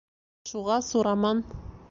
Шуға Сураман: